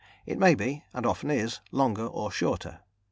It may be, and often is, longer or shorter.